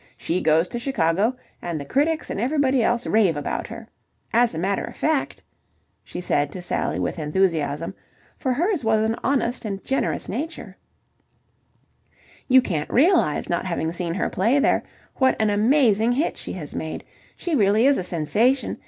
She goes to Chicago, and the critics and everybody else rave about her. As a matter of fact," she said to Sally with enthusiasm, for hers was an honest and generous nature, "you can't realize, not having seen her play there, what an amazing hit she has made. She really is a sensation.